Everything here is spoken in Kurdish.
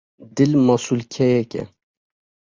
Dil masûlkeyek e.